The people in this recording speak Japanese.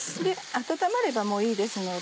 温まればもういいですので。